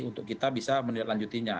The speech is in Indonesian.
untuk kita bisa melanjutinya